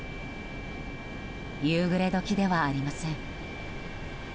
夕暮れ時ではありません。